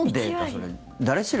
それ。